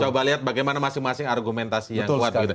coba lihat bagaimana masing masing argumentasi yang kuat begitu